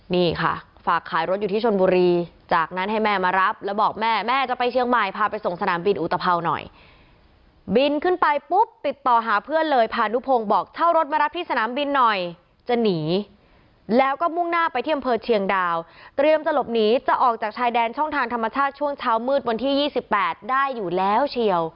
นี่ค่ะฝากขายรถอยู่ที่ชนบุรีจากนั้นให้แม่มารับแล้วบอกแม่แม่จะไปเชียงใหม่พาไปส่งสนามบินอุตภาวหน่อยบินขึ้นไปปุ๊บติดต่อหาเพื่อนเลยพานุพงศ์บอกเช่ารถมารับที่สนามบินหน่อยจะหนีแล้วก็มุ่งหน้าไปที่อำเภอเชียงดาวเตรียมจะหลบหนีจะออกจากชายแดนช่องทางธรรมชาติช่วงเช้ามืดวันที่๒๘ได้อยู่แล้วเชียว